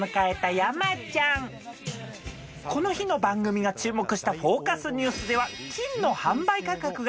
この日の番組が注目したフォーカスニュースでは。